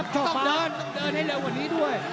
ต้องเดินต้องเดินให้เร็วกว่านี้ด้วย